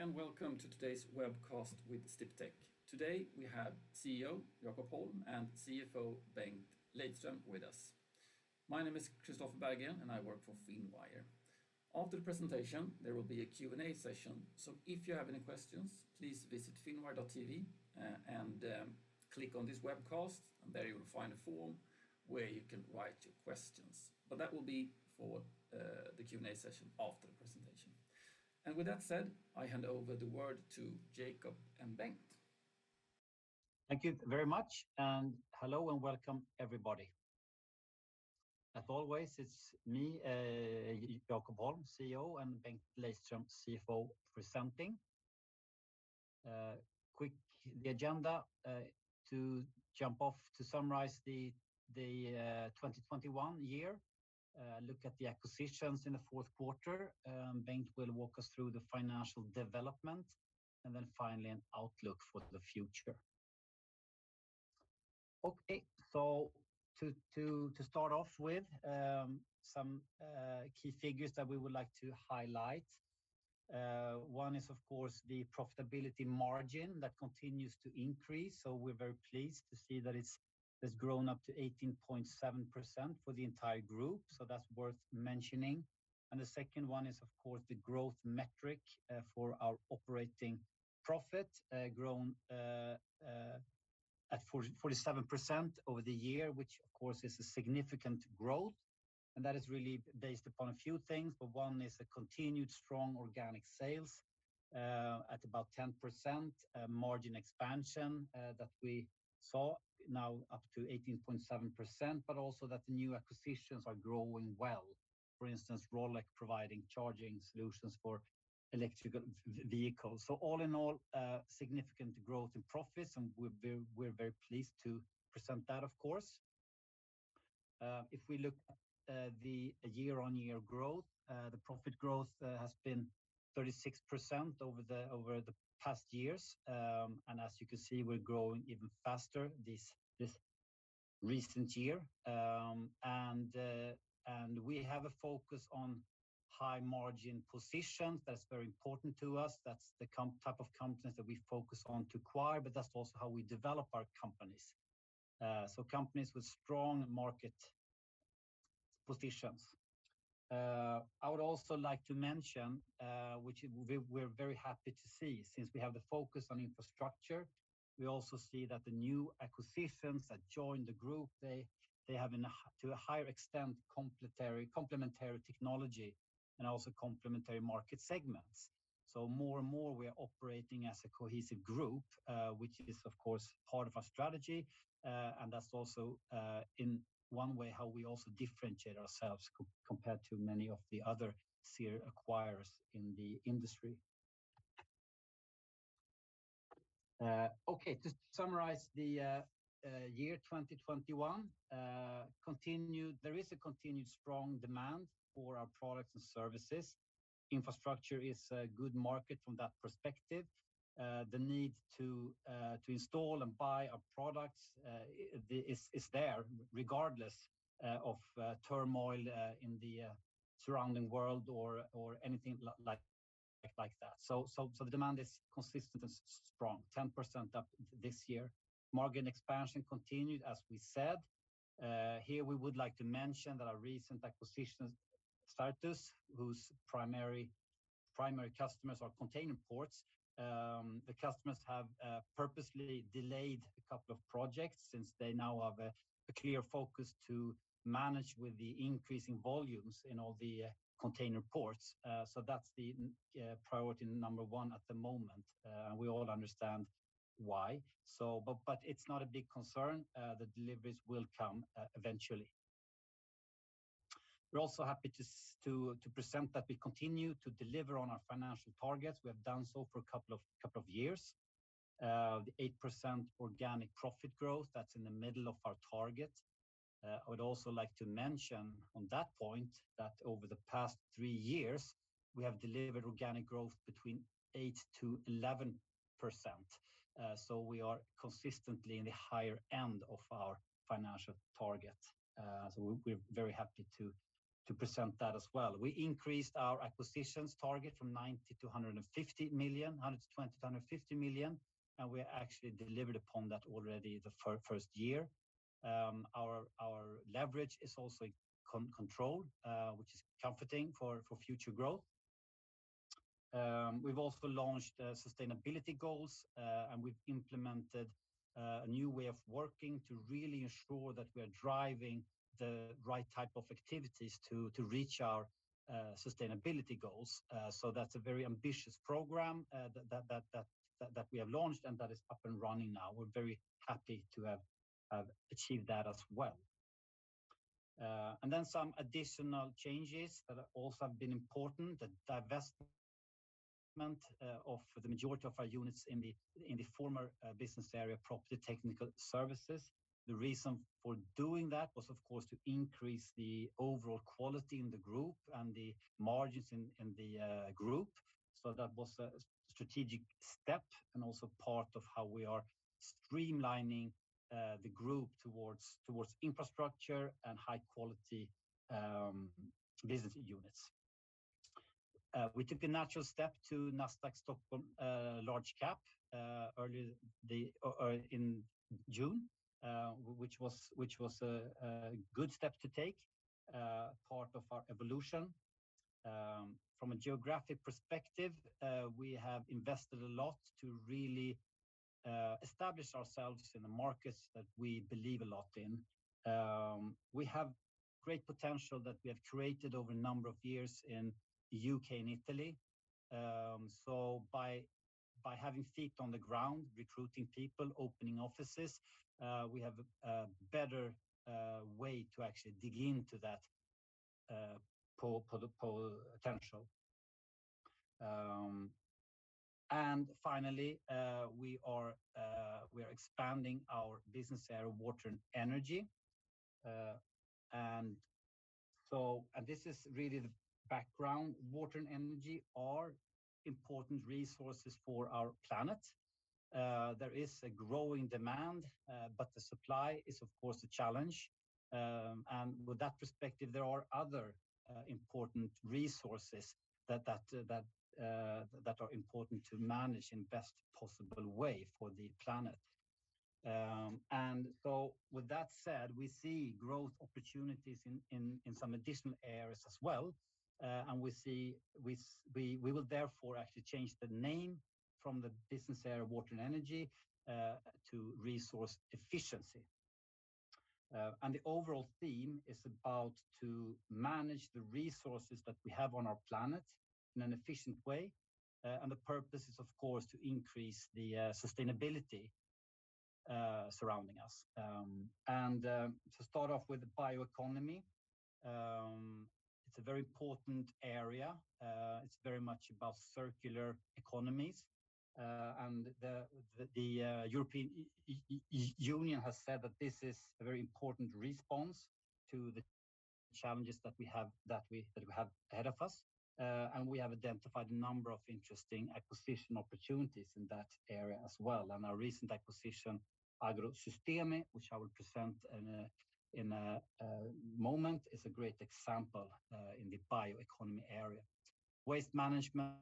Hi, and welcome to today's webcast with Sdiptech. Today we have and CFO Bengt Lejdström with us. My name is Kristofer Berggren, and I work for Finwire. After the presentation, there will be a Q&A session, so if you have any questions, please visit finwire.tv and click on this webcast, and there you will find a form where you can write your questions. But that will be for the Q&A session after the presentation. With that said, I hand over the word to Jakob and Bengt. Thank you very much, and hello, and welcome, everybody. As always, it's me, Jakob Holm, CEO, and Bengt Lejdström, CFO, presenting. Quick agenda to jump off, to summarize the 2021 year, look at the acquisitions in the Q4. Bengt will walk us through the financial development, and then finally an outlook for the future. Okay. To start off with, some key figures that we would like to highlight. One is, of course, the profitability margin that continues to increase, so we're very pleased to see that it's grown up to 18.7% for the entire group, so that's worth mentioning. The second one is, of course, the growth metric for our operating profit grown at 47% over the year, which of course is a significant growth. That is really based upon a few things, but one is a continued strong organic sales at about 10%, margin expansion that we saw now up to 18.7%, but also that the new acquisitions are growing well. For instance, Rolec providing charging solutions for electric vehicles. All in all, significant growth in profits, and we're very pleased to present that of course. If we look at the year-on-year growth, the profit growth has been 36% over the past years. As you can see, we're growing even faster this recent year. We have a focus on high-margin positions. That's very important to us. That's the type of companies that we focus on to acquire, but that's also how we develop our companies with strong market positions. I would also like to mention which we're very happy to see since we have the focus on infrastructure, we also see that the new acquisitions that join the group have to a higher extent complementary technology and also complementary market segments. More and more we are operating as a cohesive group, which is of course part of our strategy, and that's also in one way how we also differentiate ourselves compared to many of the other acquirers in the industry. Okay. To summarize the year 2021, there is a continued strong demand for our products and services. Infrastructure is a good market from that perspective. The need to install and buy our products is there regardless of turmoil in the surrounding world or anything like that. The demand is consistent and strong, 10% up this year. Margin expansion continued, as we said. Here we would like to mention that our recent acquisition, Certus, whose primary customers are container ports, the customers have purposely delayed a couple of projects since they now have a clear focus to manage with the increasing volumes in all the container ports. That's the priority number one at the moment. We all understand why. It's not a big concern. The deliveries will come eventually. We're also happy to present that we continue to deliver on our financial targets. We have done so for a couple of years. The 8% organic profit growth, that's in the middle of our target. I would also like to mention on that point that over the past three years, we have delivered organic growth between 8%-11%. We're very happy to present that as well. We increased our acquisitions target from 90 million to 150 million, 120 million to 150 million, and we actually delivered upon that already the first year. Our leverage is also controlled, which is comforting for future growth. We've also launched sustainability goals, and we've implemented a new way of working to really ensure that we are driving the right type of activities to reach our sustainability goals. That's a very ambitious program that we have launched and that is up and running now. We're very happy to have achieved that as well. Some additional changes that have also been important, the divestment of the majority of our units in the former business area, Property Technical Services. The reason for doing that was, of course, to increase the overall quality in the group and the margins in the group. That was a strategic step and also part of how we are streamlining the group towards infrastructure and high quality business units. We took a natural step to Nasdaq Stockholm Large Cap in June, which was a good step to take, part of our evolution. From a geographic perspective, we have invested a lot to really establish ourselves in the markets that we believe a lot in. We have great potential that we have created over a number of years in the U.K. and Italy. By having feet on the ground, recruiting people, opening offices, we have a better way to actually dig into that potential. Finally, we are expanding our business area, Water & Energy. This is really the background. Water and energy are important resources for our planet. There is a growing demand, but the supply is, of course, a challenge. With that perspective, there are other important resources that are important to manage in best possible way for the planet. With that said, we see growth opportunities in some additional areas as well, and we will therefore actually change the name from the business area Water & Energy to Resource Efficiency. The overall theme is about managing the resources that we have on our planet in an efficient way, and the purpose is, of course, to increase the sustainability surrounding us. To start off with the bioeconomy, it's a very important area. It's very much about circular economies, and the European Union has said that this is a very important response to the challenges that we have ahead of us. We have identified a number of interesting acquisition opportunities in that area as well, and our recent acquisition, Agrosistemi, which I will present in a moment, is a great example in the bioeconomy area. Waste management,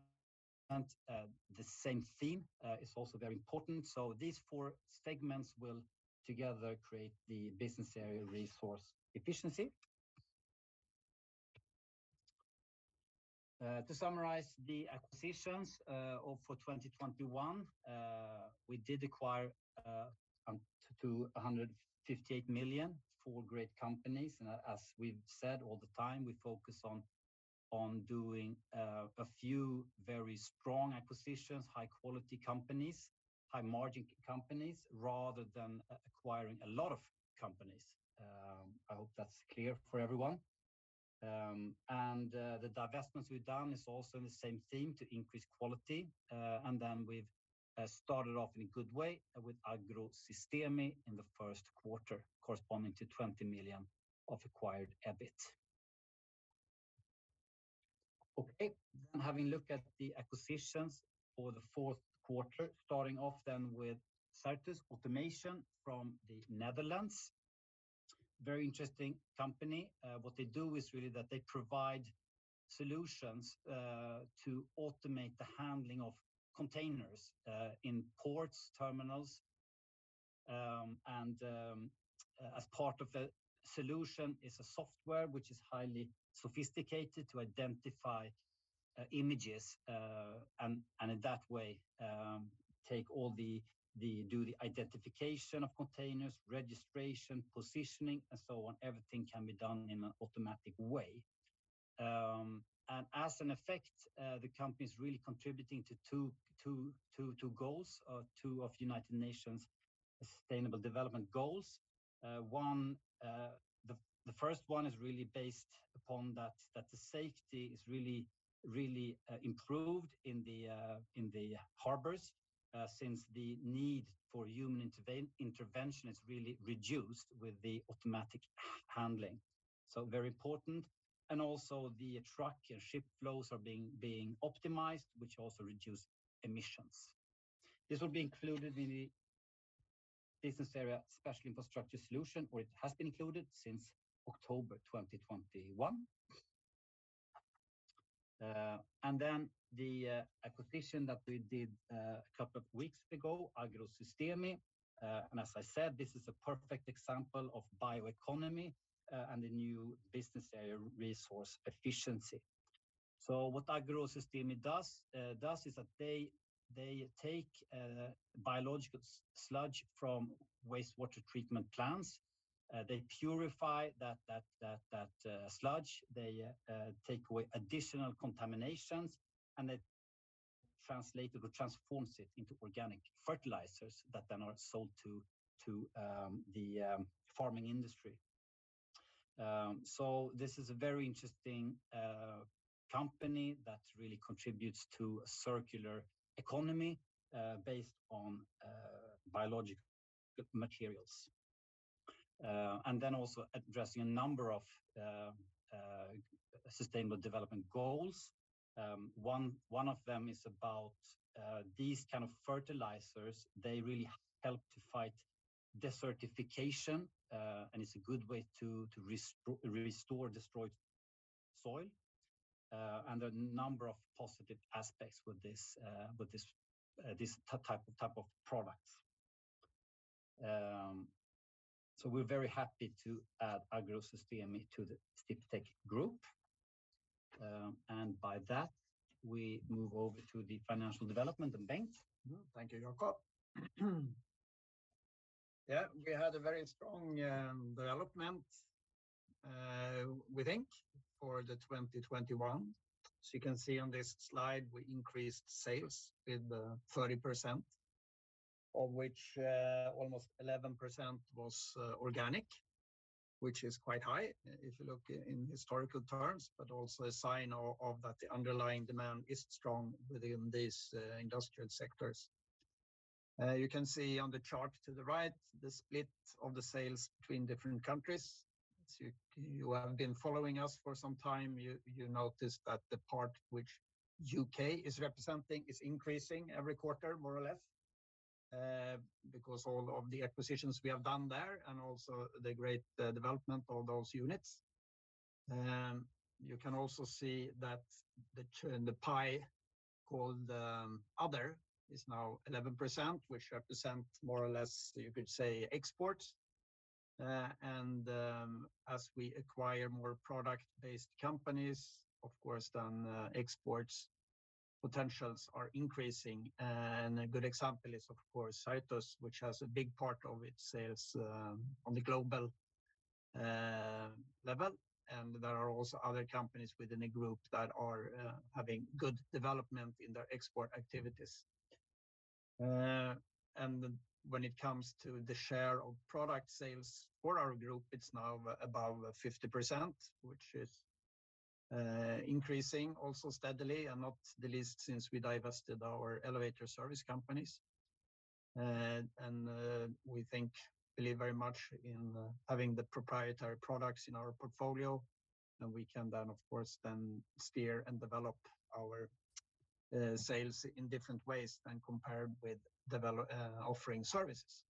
the same theme, is also very important, so these four segments will together create the business area Resource Efficiency. To summarize the acquisitions for 2021, we did acquire up to SEK 158 million, four great companies. As we've said all the time, we focus on doing a few very strong acquisitions, high-quality companies, high-margin companies, rather than acquiring a lot of companies. I hope that's clear for everyone. The divestments we've done is also in the same theme to increase quality. We've started off in a good way with Agrosistemi in the Q1, corresponding to 20 million of acquired EBIT. Okay. Having looked at the acquisitions for the Q4, starting off with CERTUS Automation from the Netherlands, very interesting company. What they do is really that they provide solutions to automate the handling of containers in ports, terminals, as part of the solution is a software which is highly sophisticated to identify images, and in that way, do the identification of containers, registration, positioning, and so on. Everything can be done in an automatic way. As an effect, the company's really contributing to two goals, two of United Nations Sustainable Development Goals. One, the first one is really based upon that the safety is really improved in the harbors, since the need for human intervention is really reduced with the automatic handling, so very important. Also, the truck and ship flows are being optimized, which also reduce emissions. This will be included in the business area Special Infrastructure Solutions, or it has been included since October 2021. The acquisition that we did a couple of weeks ago, Agrosistemi, and as I said, this is a perfect example of bioeconomy and the new business area Resource Efficiency. What Agrosistemi does is that they take biological sludge from wastewater treatment plants. They purify that sludge. They take away additional contaminations, and they translate it or transforms it into organic fertilizers that then are sold to the farming industry. This is a very interesting company that really contributes to a circular economy based on biological materials and then also addressing a number of Sustainable Development Goals. One of them is about these kind of fertilizers. They really help to fight desertification, and it's a good way to restore destroyed soil, and a number of positive aspects with this type of products. We're very happy to add Agrosistemi to the Sdiptech Group. By that, we move over to the financial development and Bengt. Thank you, Jakob. Yeah, we had a very strong development in 2021. You can see on this slide, we increased sales with 30%, of which almost 11% was organic, which is quite high if you look in historical terms, but also a sign of that the underlying demand is strong within these industrial sectors. You can see on the chart to the right, the split of the sales between different countries. You have been following us for some time, you notice that the part which U.K. is representing is increasing every quarter, more or less, because all of the acquisitions we have done there and also the great development of those units. You can also see that in the pie called Other is now 11%, which represent more or less, you could say, exports. As we acquire more product-based companies, of course, then export potentials are increasing. A good example is, of course, Certus, which has a big part of its sales on the global level. There are also other companies within the group that are having good development in their export activities. When it comes to the share of product sales for our group, it's now about 50%, which is increasing also steadily and not the least since we divested our elevator service companies. We think, believe very much in having the proprietary products in our portfolio, and we can then, of course, then steer and develop our sales in different ways than compared with offering services.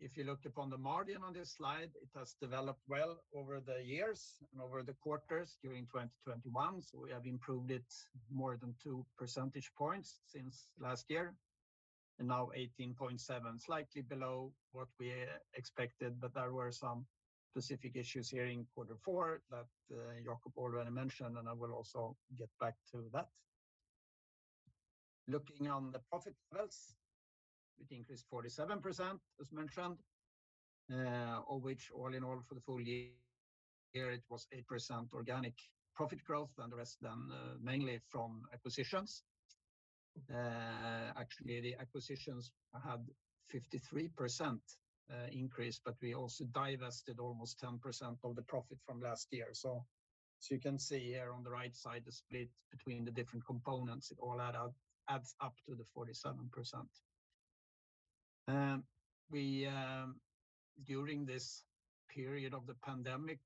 If you looked upon the margin on this slide, it has developed well over the years and over the quarters during 2021. We have improved it more than two percentage points since last year, and now 18.7%, slightly below what we expected. There were some specific issues here in quarter four that Jakob already mentioned, and I will also get back to that. Looking on the profit first, it increased 47%, as mentioned, of which all in all for the full year, it was 8% organic profit growth, and the rest then mainly from acquisitions. Actually, the acquisitions had 53% increase, but we also divested almost 10% of the profit from last year. You can see here on the right side the split between the different components. It all adds up to the 47%. During this period of the pandemic,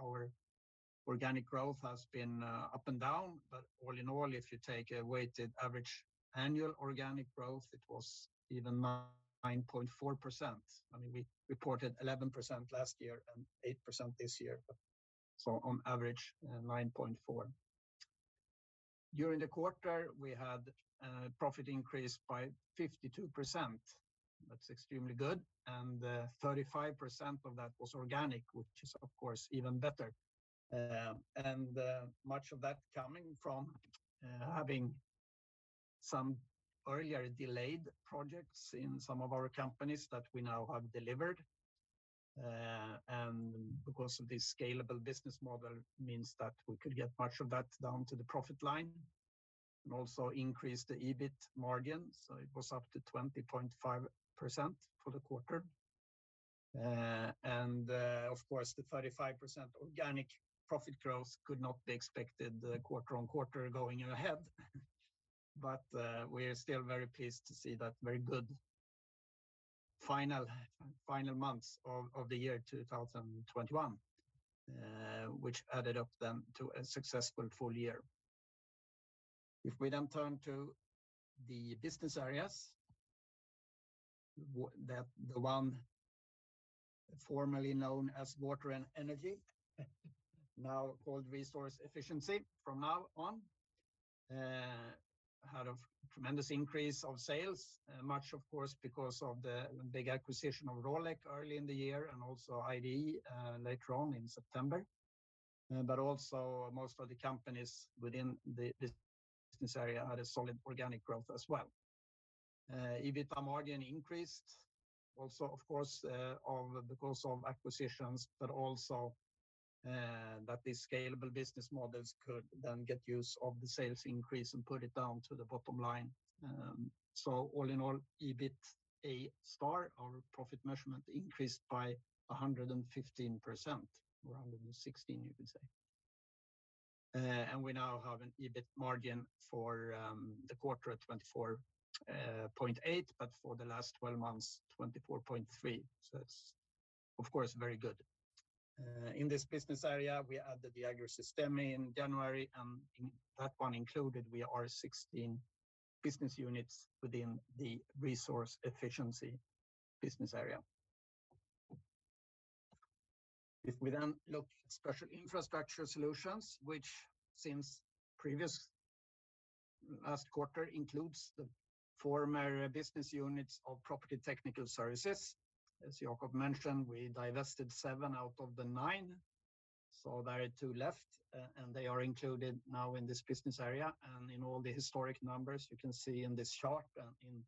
our organic growth has been up and down. All in all, if you take a weighted average annual organic growth, it was even 9.4%. I mean, we reported 11% last year and 8% this year, but so on average, 9.4%. During the quarter, we had profit increase by 52%. That's extremely good, and 35% of that was organic, which is of course even better. Much of that coming from having some earlier delayed projects in some of our companies that we now have delivered. Because of this scalable business model means that we could get much of that down to the profit line and also increase the EBIT margin. It was up to 20.5% for the quarter. Of course, the 35% organic profit growth could not be expected quarter on quarter going ahead. We are still very pleased to see that very good final months of the year 2021, which added up then to a successful full year. If we then turn to the business areas, the one formerly known as Water & Energy, now called Resource Efficiency from now on, had a tremendous increase of sales, much of course, because of the big acquisition of Rolec early in the year and also IDE later on in September. Also most of the companies within this business area had a solid organic growth as well. EBIT margin increased also, of course, because of acquisitions, but also that the scalable business models could then get use of the sales increase and put it down to the bottom line. All in all, EBITA*, our profit measurement, increased by 115%, or 116, you could say. We now have an EBIT margin for the quarter at 24.8%, but for the last twelve months, 24.3%. That's of course very good. In this business area, we added the Agrosistemi in January, and with that one included, we are 16 business units within the Resource Efficiency business area. If we then look at Special Infrastructure Solutions, which since previous last quarter includes the former business units of Property Technical Services. As Jakob mentioned, we divested 7 out of the 9. There are 2 left, and they are included now in this business area. In all the historic numbers you can see in this chart and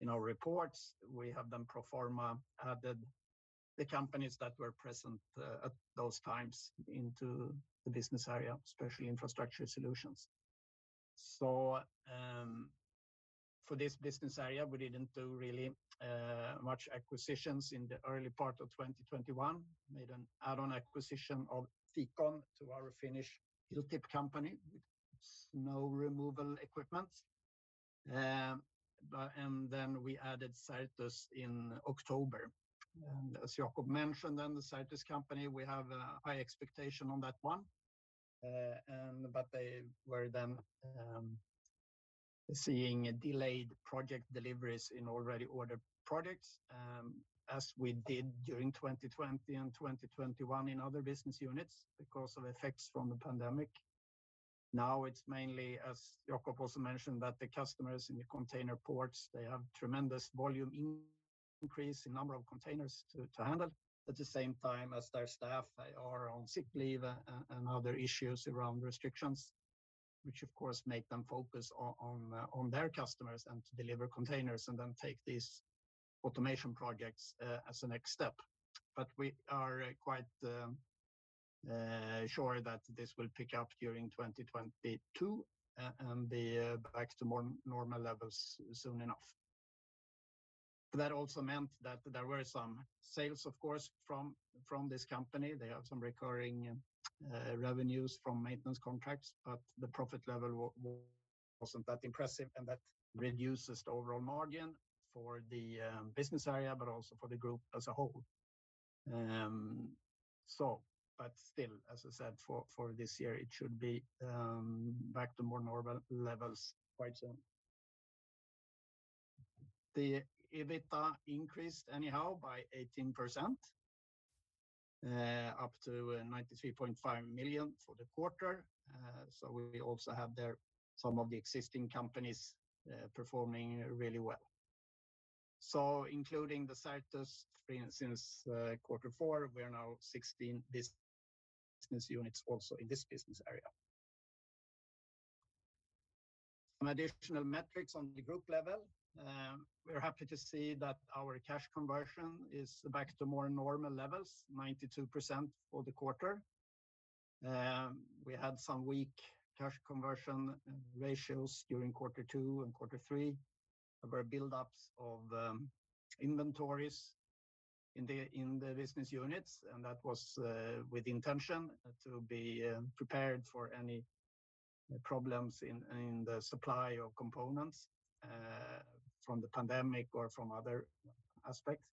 in our reports, we have them pro forma, added the companies that were present at those times into the business area, especially infrastructure solutions. For this business area, we didn't do really much acquisitions in the early part of 2021. We made an add-on acquisition of Ficon to our Finnish Hilltip company with snow removal equipment, then we added Certus in October. As Jakob mentioned then, the Certus company, we have a high expectation on that one, but they were then seeing delayed project deliveries in already ordered products, as we did during 2020 and 2021 in other business units because of effects from the pandemic. Now it's mainly, as Jakob also mentioned, that the customers in the container ports, they have tremendous volume increase in number of containers to handle. At the same time as their staff, they are on sick leave and other issues around restrictions, which of course make them focus on their customers and to deliver containers and then take these automation projects as a next step. We are quite sure that this will pick up during 2022 and be back to normal levels soon enough. That also meant that there were some sales, of course, from this company. They have some recurring revenues from maintenance contracts, but the profit level wasn't that impressive, and that reduces the overall margin for the business area, but also for the group as a whole. Still, as I said, for this year, it should be back to more normal levels quite soon. The EBITDA increased anyhow by 18% up to 93.5 million for the quarter. We also have there some of the existing companies performing really well. Including the Certus since quarter four, we are now 16 business units also in this business area. Some additional metrics on the group level. We're happy to see that our cash conversion is back to more normal levels, 92% for the quarter. We had some weak cash conversion ratios during quarter two and quarter three. There were buildups of inventories in the business units, and that was with intention to be prepared for any problems in the supply of components from the pandemic or from other aspects.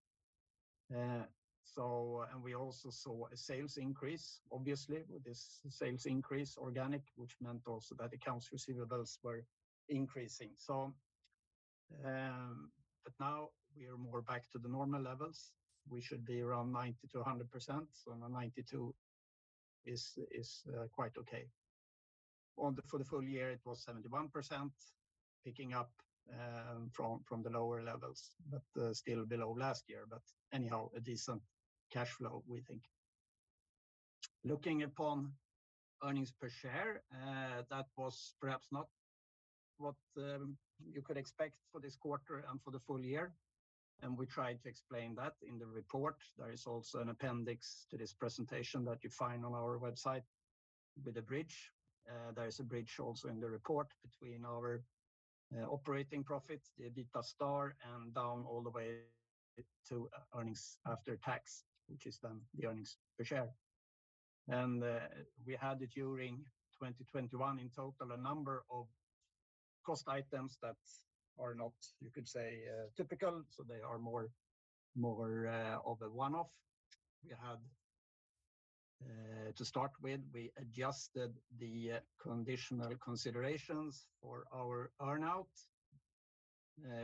We also saw a sales increase, obviously, with this sales increase organic, which meant also that accounts receivables were increasing. Now we are more back to the normal levels. We should be around 90%-100%. Ninety-two is quite okay. For the full year, it was 71%, picking up from the lower levels, but still below last year. Anyhow, a decent cash flow, we think. Looking upon earnings per share, that was perhaps not what you could expect for this quarter and for the full year, and we tried to explain that in the report. There is also an appendix to this presentation that you find on our website with a bridge. There is a bridge also in the report between our operating profits, the EBITA*, and down all the way to earnings after tax, which is then the earnings per share. We had it during 2021 in total, a number of cost items that are not, you could say, typical, so they are more of a one-off. To start with, we adjusted the contingent considerations for our earn-out,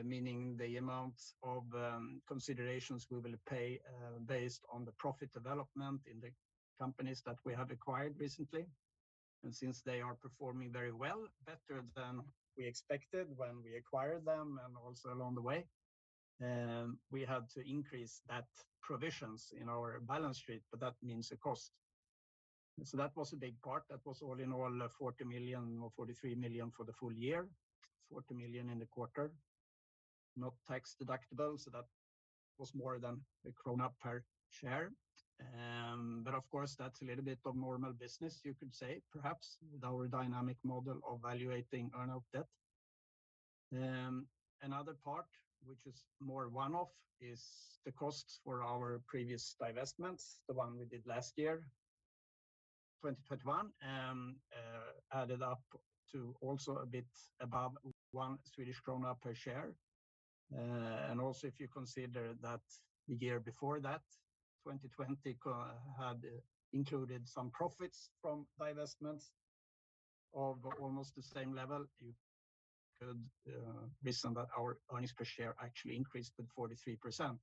meaning the amount of considerations we will pay, based on the profit development in the companies that we have acquired recently. Since they are performing very well, better than we expected when we acquired them and also along the way, we had to increase those provisions in our balance sheet, but that means a cost. That was a big part. That was all in all 40 million or 43 million for the full year, 40 million in the quarter. Not tax deductible, that was more than SEK 1 per share. Of course, that's a little bit of normal business, you could say, perhaps, with our dynamic model of valuing earn-out debt. Another part which is more one-off is the costs for our previous divestments, the one we did last year, 2021, added up to also a bit above 1 Swedish krona per share. If you consider that the year before that, 2020, had included some profits from divestments of almost the same level, you could reason that our earnings per share actually increased with 43%,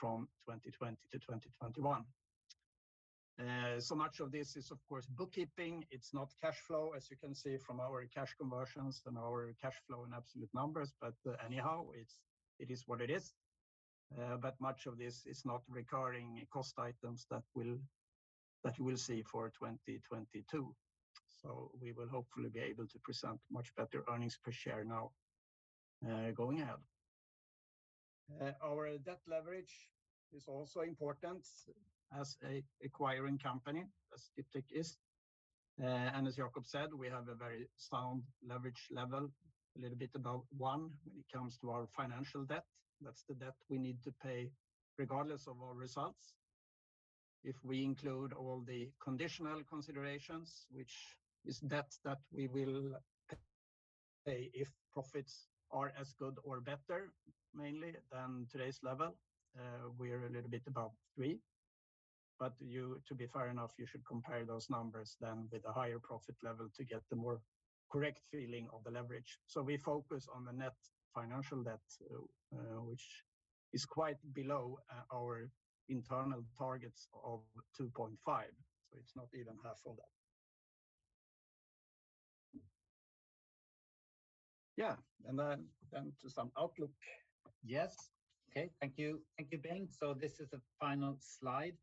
from 2020 to 2021. Much of this is of course bookkeeping. It's not cash flow, as you can see from our cash conversion and our cash flow in absolute numbers. Anyhow, it is what it is. Much of this is not recurring cost items that you will see for 2022. We will hopefully be able to present much better earnings per share now, going ahead. Our debt leverage is also important as an acquiring company, as Sdiptech is. As Jakob said, we have a very sound leverage level, a little bit above one when it comes to our financial debt. That's the debt we need to pay regardless of our results. If we include all the contingent considerations, which is debts that we will pay if profits are as good or better mainly than today's level, we're a little bit above three. You to be fair enough, you should compare those numbers then with a higher profit level to get the more correct feeling of the leverage. We focus on the net financial debt, which is quite below our internal targets of 2.5, so it's not even half of that. Yeah, to some outlook. Yes. Okay. Thank you. Thank you, Bengt. This is the final slide.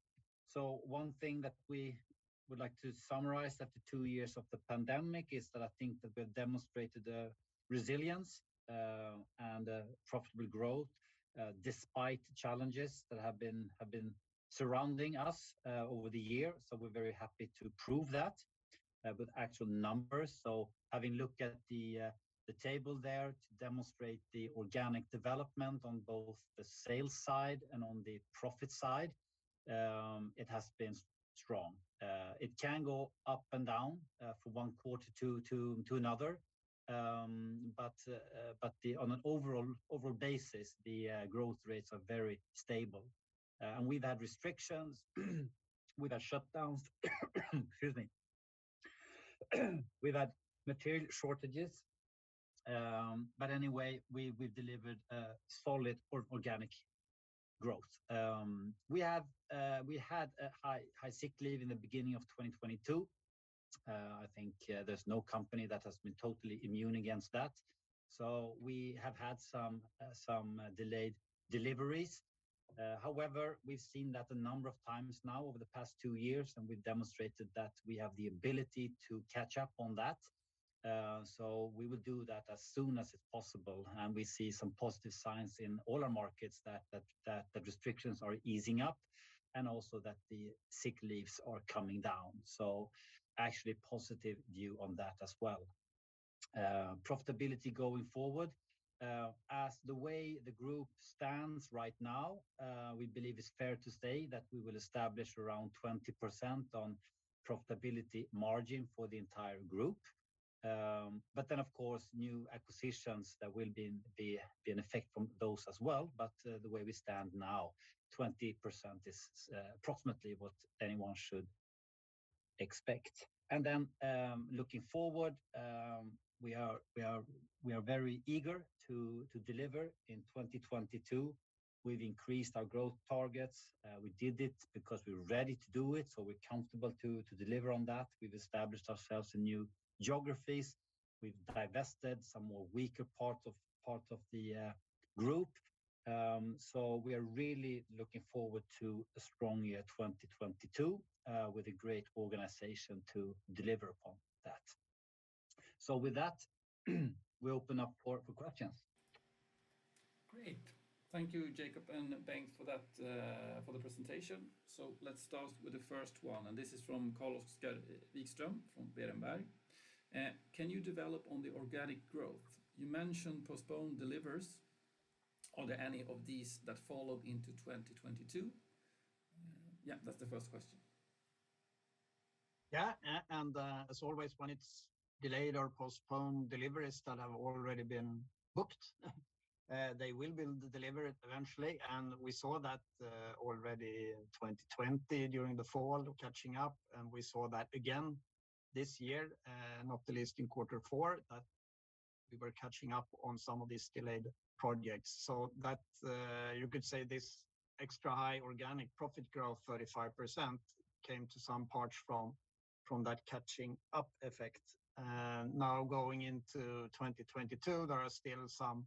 One thing that we would like to summarize after two years of the pandemic is that I think that we've demonstrated a resilience and a profitable growth despite challenges that have been surrounding us over the years. We're very happy to prove that with actual numbers. Having looked at the table there to demonstrate the organic development on both the sales side and on the profit side, it has been strong. It can go up and down from one quarter to another. But on an overall basis, the growth rates are very stable. And we've had restrictions, we've had shutdowns, excuse me, we've had material shortages. Anyway, we've delivered a solid organic growth. We had a high sick leave in the beginning of 2022. I think there's no company that has been totally immune against that. We have had some delayed deliveries. However, we've seen that a number of times now over the past two years, and we've demonstrated that we have the ability to catch up on that. We will do that as soon as it's possible, and we see some positive signs in all our markets that the restrictions are easing up and also that the sick leaves are coming down. Actually positive view on that as well. Profitability going forward, as the way the group stands right now, we believe it's fair to say that we will establish around 20% profitability margin for the entire group. But then of course, new acquisitions, there will be an effect from those as well. But the way we stand now, 20% is approximately what anyone should expect. Looking forward, we are very eager to deliver in 2022. We've increased our growth targets. We did it because we're ready to do it, so we're comfortable to deliver on that. We've established ourselves in new geographies. We've divested some more weaker part of the group. So we are really looking forward to a strong year 2022, with a great organization to deliver upon that. With that, we open up for questions. Great. Thank you, Jakob and Bengt for that, for the presentation. Let's start with the first one, and this is from Carl-Oskar Wikström from Berenberg. Can you develop on the organic growth? You mentioned postponed deliveries. Are there any of these that follow into 2022? Yeah, that's the first question. Yeah, and as always, when it's delayed or postponed deliveries that have already been booked, they will be delivered eventually. We saw that already in 2020 during the fall, catching up, and we saw that again this year, not the least in quarter four, that we were catching up on some of these delayed projects. That you could say this extra high organic profit growth, 35%, came to some parts from that catching up effect. Now going into 2022, there are still some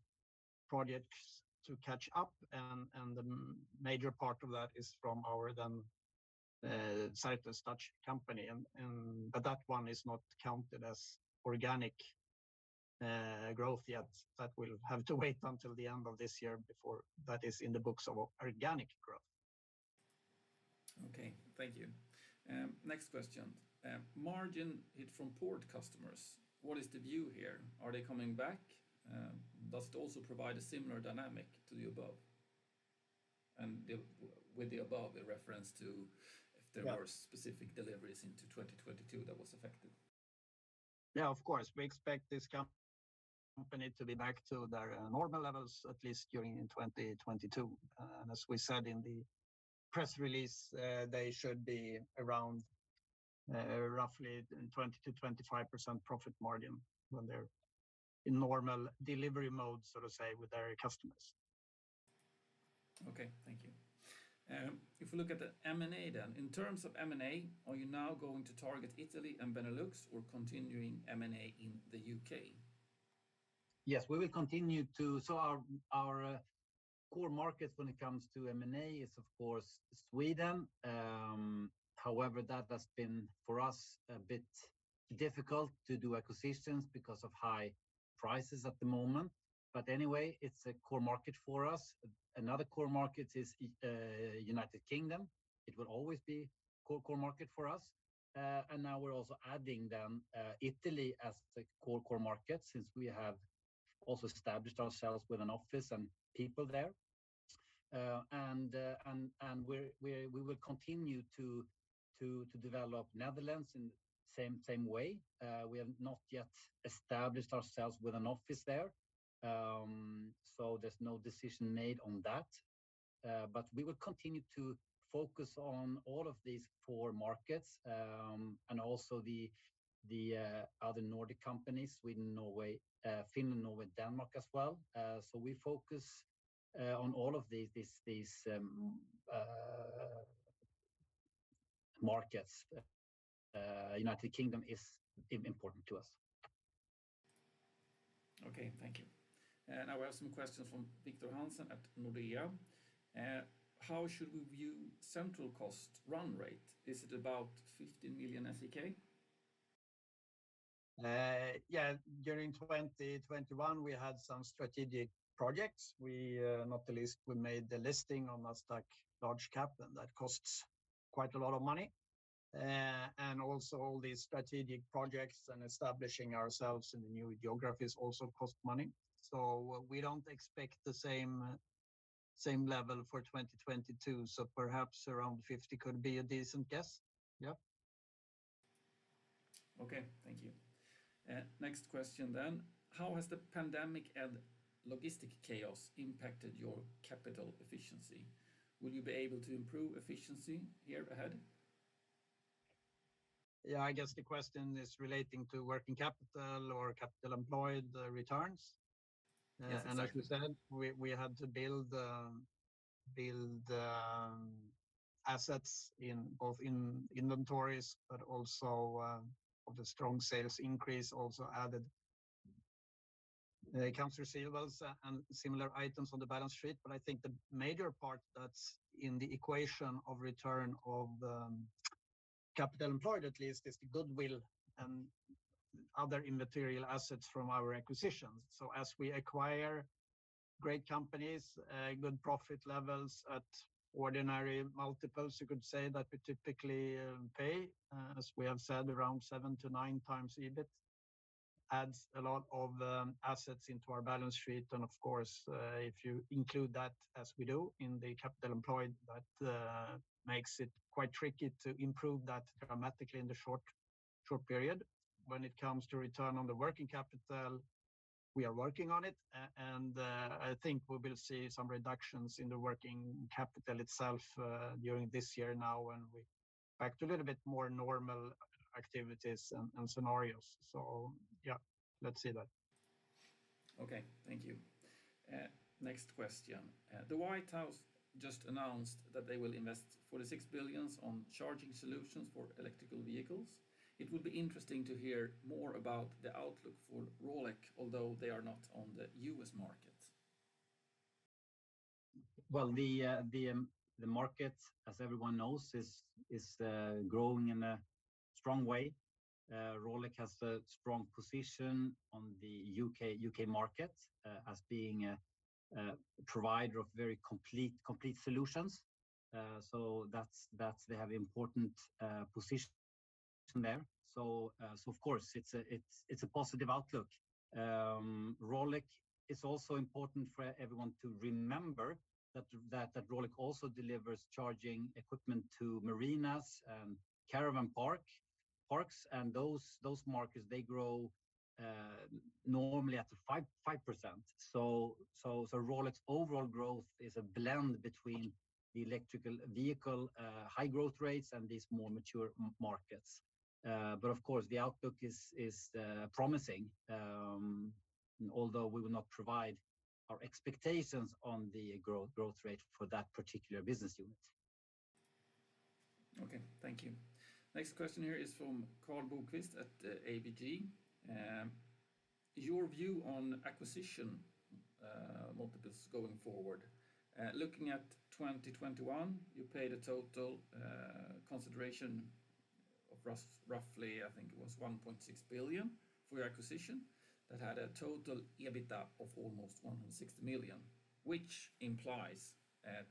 projects to catch up, and the major part of that is from our then Certus Dutch company. That one is not counted as organic growth yet. That will have to wait until the end of this year before that is in the books of organic growth. Thank you. Next question. Margin hit from port customers, what is the view here? Are they coming back? Does it also provide a similar dynamic to the above? With the above, a reference to if there were- Yeah specific deliveries into 2022 that was affected. Yeah, of course. We expect this company to be back to their normal levels at least during 2022. As we said in the press release, they should be around roughly 20%-25% profit margin when they're in normal delivery mode, so to say, with their customers. Okay, thank you. If we look at the M&A then, in terms of M&A, are you now going to target Italy and Benelux or continuing M&A in the UK? Our core markets when it comes to M&A is of course Sweden. However, that has been, for us, a bit difficult to do acquisitions because of high prices at the moment. Anyway, it's a core market for us. Another core market is United Kingdom. It will always be core market for us. Now we're also adding Italy as the core market since we have also established ourselves with an office and people there. We will continue to develop Netherlands in same way. We have not yet established ourselves with an office there, so there's no decision made on that. We will continue to focus on all of these core markets and also the other Nordic companies, Sweden, Norway, Finland, Denmark as well. We focus on all of these markets. United Kingdom is important to us. Okay, thank you. Now we have some questions from Victor Hansen at Nordea. How should we view central cost run rate? Is it about 50 million? Yeah. During 2021, we had some strategic projects. We, not the least, we made the listing on Nasdaq Large Cap, and that costs quite a lot of money. All these strategic projects and establishing ourselves in the new geographies also cost money. We don't expect the same level for 2022. Perhaps around 50 could be a decent guess. Okay, thank you. Next question. How has the pandemic and logistics chaos impacted your capital efficiency? Will you be able to improve efficiency here ahead? Yeah. I guess the question is relating to working capital or capital employed, returns. Yes, exactly. As we said, we had to build assets in both inventories but also the strong sales increase also added accounts receivable and similar items on the balance sheet. I think the major part that's in the equation of return on capital employed at least is the goodwill and other intangible assets from our acquisitions. As we acquire great companies, good profit levels at ordinary multiples, you could say that we typically pay, as we have said, around 7x-9x EBIT, adds a lot of assets into our balance sheet. Of course, if you include that as we do in the capital employed, that makes it quite tricky to improve that dramatically in the short period. When it comes to return on the working capital, we are working on it. I think we will see some reductions in the working capital itself during this year now when we're back to a little bit more normal activities and scenarios. Yeah, let's say that. Okay, thank you. Next question. The White House just announced that they will invest $46 billion on charging solutions for electric vehicles. It will be interesting to hear more about the outlook for Rolec, although they are not on the U.S. market. Well, the market, as everyone knows, is growing in a strong way. Rolec has a strong position on the U.K. market as being a provider of very complete solutions. They have important position there. Of course, it is a positive outlook. Rolec, it is also important for everyone to remember that Rolec also delivers charging equipment to marinas and caravan parks, and those markets grow normally at 5%. Rolec's overall growth is a blend between the electric vehicle high growth rates and these more mature markets. Of course, the outlook is promising, although we will not provide our expectations on the growth rate for that particular business unit. Okay, thank you. Next question here is from Karl Bokvist at. Your view on acquisition multiples going forward. Looking at 2021, you paid a total consideration of roughly, I think it was 1.6 billion for your acquisition that had a total EBITDA of almost 160 million, which implies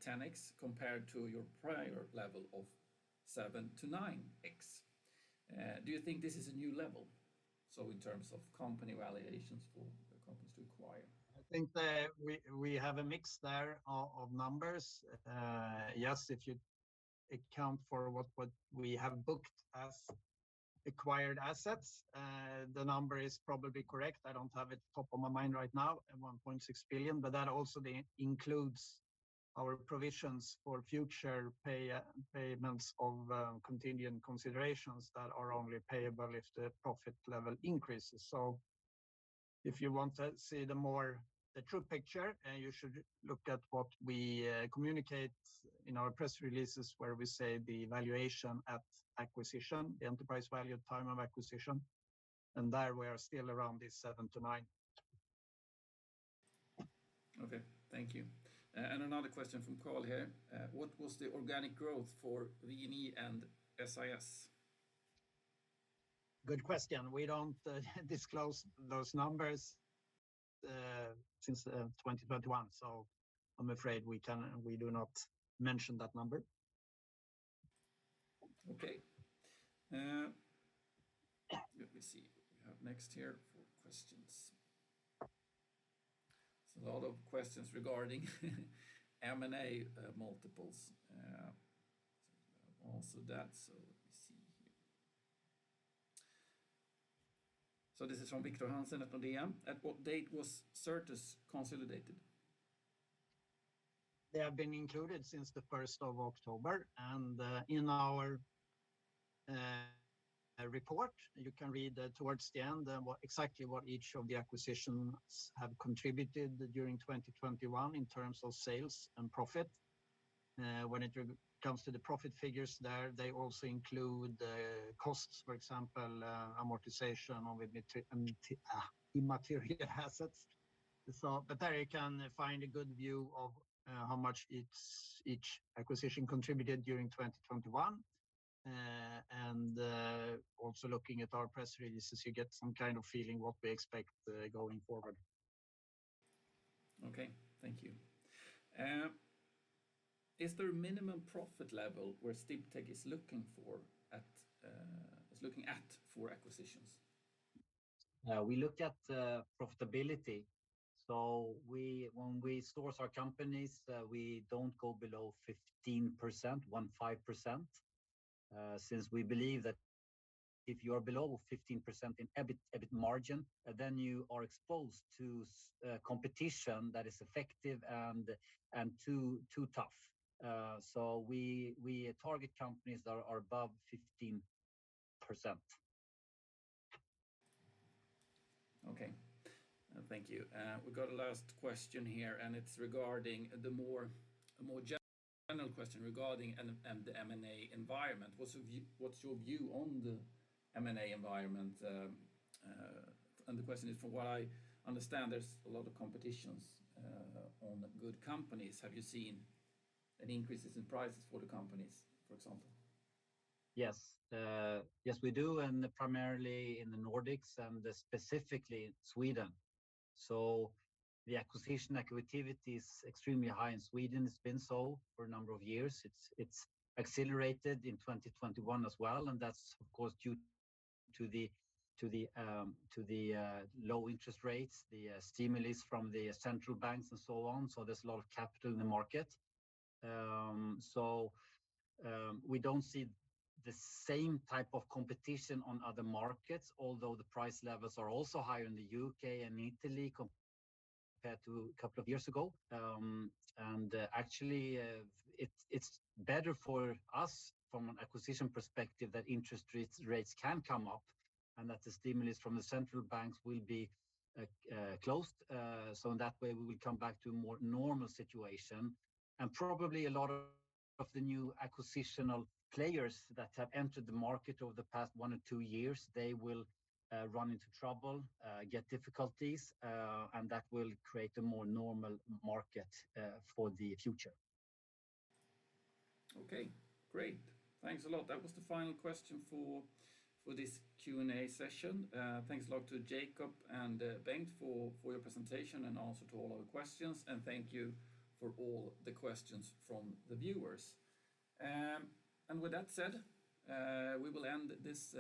10x compared to your prior level of 7-9x. Do you think this is a new level, so in terms of company valuations for the companies to acquire? I think that we have a mix there of numbers. Yes, if you account for what we have booked as acquired assets, the number is probably correct. I don't have it top of my mind right now at 1.6 billion, but that also includes our provisions for future payments of contingent consideration that are only payable if the profit level increases. If you want to see the true picture, you should look at what we communicate in our press releases where we say the valuation at acquisition, the enterprise value at time of acquisition, and there we are still around 7 billion-9 billion. Okay, thank you. Another question from Carl here. What was the organic growth for W&E and SIS? Good question. We don't disclose those numbers since 2021, so I'm afraid we do not mention that number. Okay. Let me see what we have next here for questions. There's a lot of questions regarding M&A multiples. This is from Victor Hansen at Nordea. At what date was Certus consolidated? They have been included since the 1st of October, and in our report, you can read towards the end what exactly each of the acquisitions have contributed during 2021 in terms of sales and profit. When it comes to the profit figures there, they also include costs, for example, amortization of intangible assets. There you can find a good view of how much each acquisition contributed during 2021. Also looking at our press releases, you get some kind of feeling what we expect going forward. Okay, thank you. Is there a minimum profit level where Sdiptech is looking at for acquisitions? We look at profitability. When we source our companies, we don't go below 15%, since we believe that if you are below 15% in EBIT margin, then you are exposed to competition that is effective and too tough. We target companies that are above 15%. Okay. Thank you. We've got a last question here, and it's regarding a more general question regarding the M&A environment. What's your view on the M&A environment? The question is, from what I understand, there's a lot of competition on good companies. Have you seen an increase in prices for the companies, for example? Yes, we do, and primarily in the Nordics, and specifically Sweden. The acquisition activity is extremely high in Sweden. It's been so for a number of years. It's accelerated in 2021 as well, and that's of course due to the low interest rates, the stimulus from the central banks and so on, so there's a lot of capital in the market. We don't see the same type of competition on other markets, although the price levels are also higher in the U.K. and Italy compared to a couple of years ago. Actually, it's better for us from an acquisition perspective that interest rates can come up and that the stimulus from the central banks will be closed. In that way, we will come back to a more normal situation, and probably a lot of the new acquisitional players that have entered the market over the past one or two years, they will run into trouble, get difficulties, and that will create a more normal market for the future. Okay, great. Thanks a lot. That was the final question for this Q&A session. Thanks a lot to Jakob and Bengt for your presentation and answer to all our questions. Thank you for all the questions from the viewers. With that said, we will end this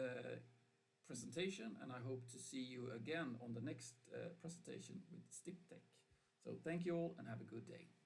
presentation, and I hope to see you again on the next presentation with Sdiptech. Thank you all, and have a good day.